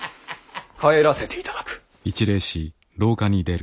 帰らせていただく。